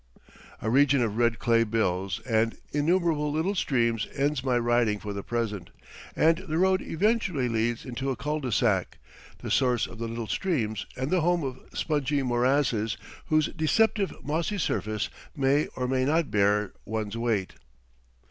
A region of red clay hills and innumerable little streams ends my riding for the present, and the road eventually leads into a cul de sac, the source of the little streams and the home of spongy morasses whose deceptive mossy surface may or may not bear one's weight.